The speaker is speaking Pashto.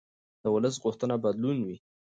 د ولس غوښتنه بدلون وي